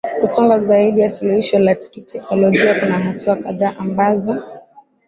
kusonga zaidi ya suluhisho la kiteknolojia Kuna hatua kadhaa ambazo